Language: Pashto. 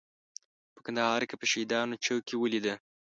په کندهار کې په شهیدانو چوک کې ولیده.